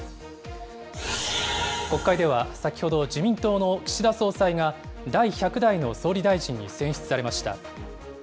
国会では、先ほど自民党の岸田総裁が、第１００代の総理大臣に選出されました。